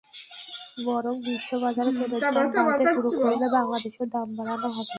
বরং বিশ্ববাজারে তেলের দাম বাড়তে শুরু করলে বাংলাদেশেও দাম বাড়ানো হবে।